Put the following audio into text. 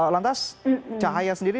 lantas cahaya sendiri